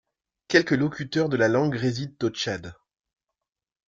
Quelques locuteurs de la langue résident au Tchad.